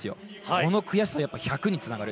この悔しさは１００ｍにつながる。